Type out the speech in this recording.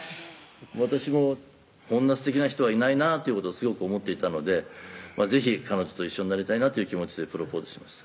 私もこんな素敵な人はいないなということをすごく思っていたので是非彼女と一緒になりたいなという気持ちでプロポーズしました